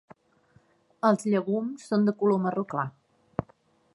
Els llegums són de color marró clar.